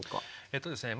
えっとですね